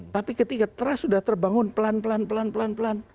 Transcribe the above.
tapi ketika trust sudah terbangun pelan pelan pelan pelan pelan